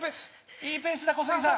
いいペースだ小杉さん。